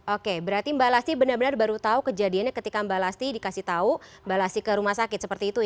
oke berarti mbak lasti benar benar baru tahu kejadiannya ketika mbak lasti dikasih tahu mbak lasti ke rumah sakit seperti itu ya